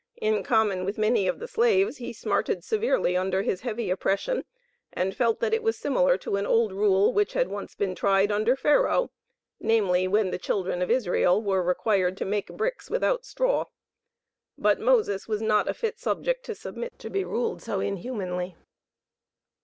In common with many of the Slaves, he smarted severely under his heavy oppression, and felt that it was similar to an old rule, which had been once tried under Pharaoh namely, when the children of Israel were required to "make bricks without straw." But Moses was not a fit subject to submit to be ruled so inhumanly.